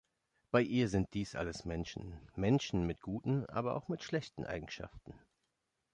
Bei ihr sind dies alles Menschen, Menschen mit guten, aber auch mit schlechten Eigenschaften.